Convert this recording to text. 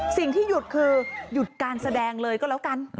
สิ่งที่หยุดคือหยุดการแสดงเลยก็แล้วกัน